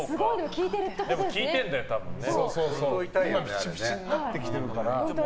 効いてるんだよ、たぶんね。